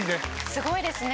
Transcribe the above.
すごいですね。